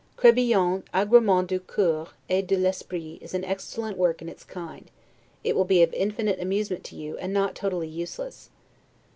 Crebillon's 'Egaremens du Coeur et de l'Esprit is an excellent work in its kind; it will be of infinite amusement to you, and not totally useless.